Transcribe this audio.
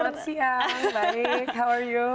selamat siang baik how are you